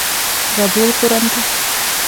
ގަބޫލުކުރަންތަ؟